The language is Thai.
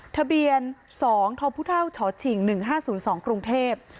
ทะเบียนสองทอพุท่าวฉอฉิงหนึ่งห้าศูนย์สองกรุงเทพ